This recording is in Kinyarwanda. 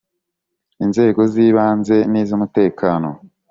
Inzego z ibanze n iz’ umutekano.